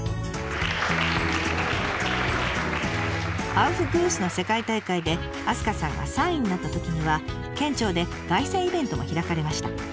アウフグースの世界大会で明日香さんが３位になったときには県庁で凱旋イベントも開かれました。